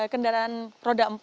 kendaraan roda empat